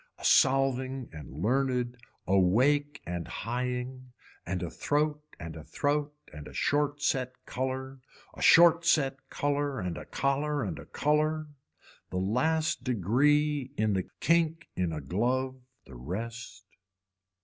A solving and learned, awake and highing and a throat and a throat and a short set color, a short set color and a collar and a color. A last degree in the kink in a glove the rest.